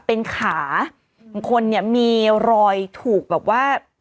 เป็นขาของคนเนี่ยมีรอยถูกแบบว่า